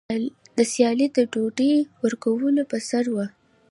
دا سیالي د ډوډۍ ورکولو په سر وه.